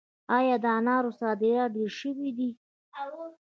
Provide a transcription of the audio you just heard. آیا د انارو صادرات ډیر شوي دي؟